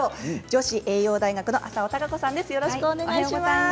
女子栄養大学の浅尾貴子さんです。